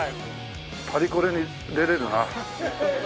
パリコレに出れるな。